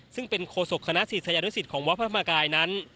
ซึ่งเป็นโคศกคณะศิษยานุสิตของวัดพระธรรมกายนั้น